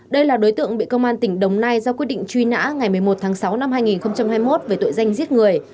đây là đối tượng bị công an tỉnh đồng nai ra quyết định truy nã ngày một mươi một tháng sáu năm hai nghìn hai mươi một về tội danh giết người